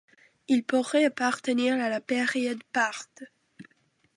Il pourrait appartenir à la période Parthe.